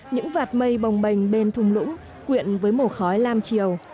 những vạt mây bồng bềnh bên thùng lũng quyện với màu khói lam chiều